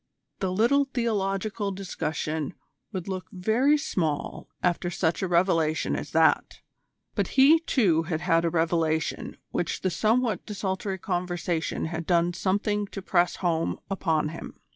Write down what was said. The little theological discussion would look very small after such a revelation as that. But he, too, had had a revelation which the somewhat desultory conversation had done something to press home upon him.